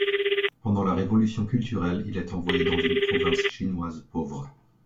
Pendant la revolution culturelle, il est envoyé dans une province chinoise pauvre.